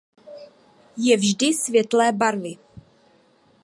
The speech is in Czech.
Je vždy světlé barvy.